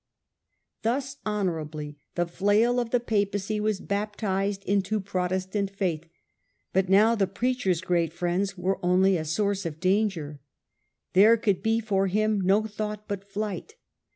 Thus honourably the flail of the Papacy was baptized into the Protestant faith; but now the preacher's great friends were only a source of danger. There could be for him no thought but flight.